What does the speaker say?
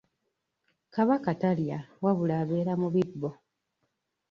Kabaka talya wabula abeera mu bibbo.